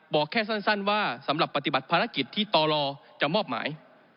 บอกแค่สั้นว่าสำหรับปฏิบัติภารกิจที่ตรจะมอบหมาย